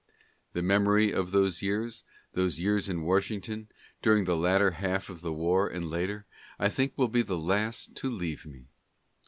The memory of those years, those years in Washington, during the latter half of the war and later, I think will be the last to leave me.